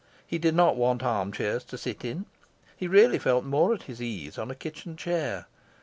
He did not want arm chairs to sit in; he really felt more at his ease on a kitchen chair.